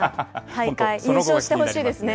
大会、優勝してほしいですね。